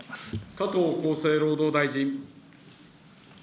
加藤厚生労働大臣。